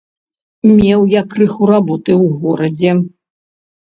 Меў я крыху работы ў горадзе.